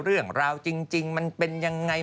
เรื่องราวจริงมันเป็นยังไง